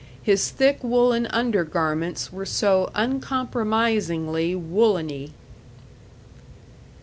His thick woolen undergarments were so uncompromisingly wooleny.